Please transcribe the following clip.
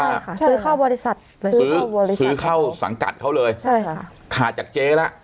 ใช่ค่ะซื้อเข้าบริษัทเลยซื้อเข้าซื้อเข้าสังกัดเขาเลยใช่ค่ะขาดจากเจ๊แล้ว